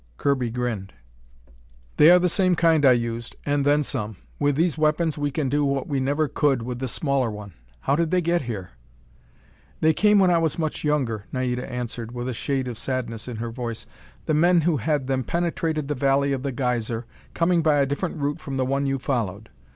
Kirby grinned. "They are the same kind I used, and then some. With these weapons we can do what we never could with the smaller one. How did they get here?" "They came when I was much younger," Naida answered with a shade of sadness in her voice. "The men who had them penetrated the Valley of the Geyser, coming by a different route from the one you followed.